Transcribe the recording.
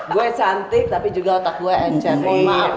gue cantik tapi juga otak gue encermin